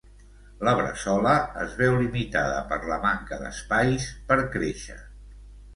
La Bressola es veu limitada per la manca d'espais per créixer.